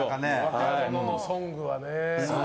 若者ソングはね。